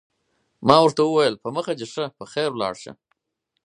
ما ورته وویل: په مخه دې ښه، په خیر ولاړ شه.